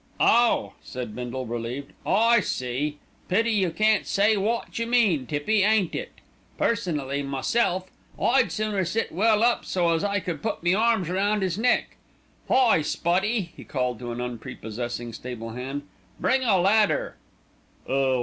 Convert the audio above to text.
"Oh!" said Bindle, relieved, "I see. Pity you can't say wot you mean, Tippy, ain't it? Personally, meself, I'd sooner sit well up, so as I could put me arms round 'is neck. Hi! Spotty!" he called to an unprepossessing stable hand. "Bring a ladder."